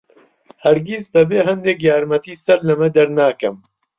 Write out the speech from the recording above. هەرگیز بەبێ هەندێک یارمەتی سەر لەمە دەرناکەم.